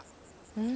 うん？